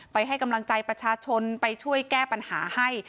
ให้กำลังใจประชาชนไปช่วยแก้ปัญหาให้